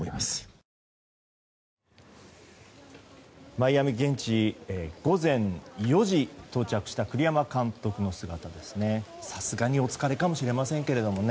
マイアミ現地午前４時到着した栗山監督の姿です、さすがにお疲れかもしれませんね。